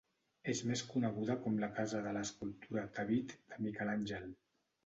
És més coneguda com la casa de l'escultura "David" de Miquel Àngel.